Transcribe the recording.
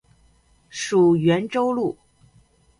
属袁州路。